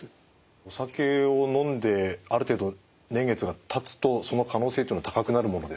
お酒を飲んである程度年月がたつとその可能性というのは高くなるものですか？